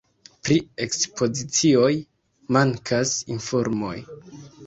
Pri ekspozicioj mankas informoj.